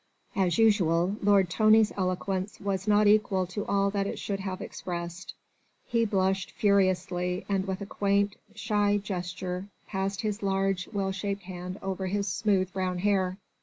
As usual Lord Tony's eloquence was not equal to all that it should have expressed. He blushed furiously and with a quaint, shy gesture, passed his large, well shaped hand over his smooth, brown hair.